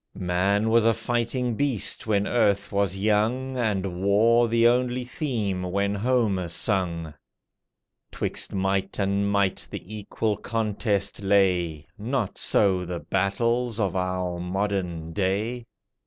Man was a fighting beast when earth was young, And war the only theme when Homer sung. 'Twixt might and might the equal contest lay, Not so the battles of our modern day.